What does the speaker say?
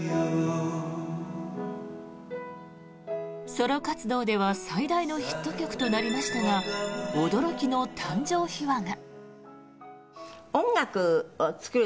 ソロ活動では最大のヒット曲となりましたが驚きの誕生秘話が。